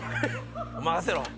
任せろ。